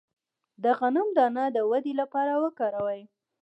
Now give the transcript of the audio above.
د غنم دانه د ودې لپاره وکاروئ